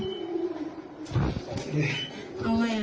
เอ่องานหัวอ่วนี่รอไปก็เหรอ